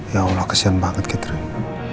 ya allah kesian banget catherine